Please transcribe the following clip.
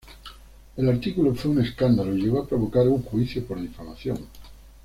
El artículo fue un escándalo y llegó a provocar un juicio por difamación.